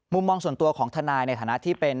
มองส่วนตัวของทนายในฐานะที่เป็น